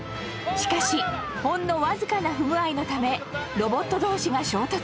しかしほんのわずかな不具合のためロボット同士が衝突。